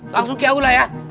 langsung ke aula ya